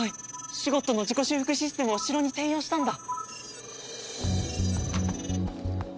シュゴッドの自己修復システムを城に転用したんだ。